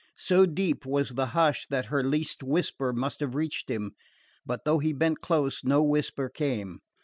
So deep was the hush that her least whisper must have reached him; but though he bent close no whisper came.